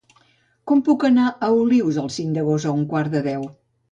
Com puc anar a Olius el cinc d'agost a un quart de deu?